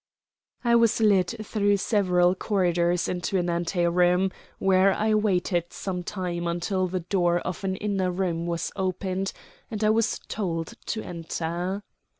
I was led through several corridors into an ante room, where I waited some time until the door of an inner room was opened and I was told to enter.